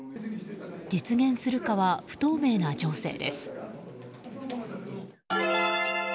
実現するかは不透明な情勢です。